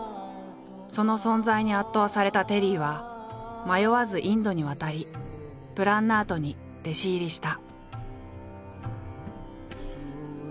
その存在に圧倒されたテリーは迷わずインドに渡りプラン・ナートに弟子入りした。